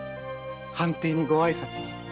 藩邸にご挨拶に。